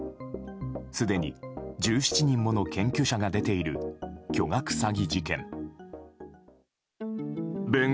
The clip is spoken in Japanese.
すでに１７人もの検挙者が出ている巨額詐欺事件。